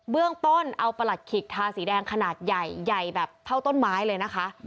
เบื้องต้นเอาประหลัดขิกทาสีแดงขนาดใหญ่ใหญ่แบบเท่าต้นไม้เลยนะคะ